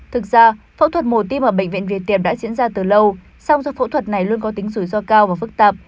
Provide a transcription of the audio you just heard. thực ra phẫu thuật mổ tim ở bệnh viện việt tiệp đã diễn ra từ lâu song do phẫu thuật này luôn có tính rủi ro cao và phức tạp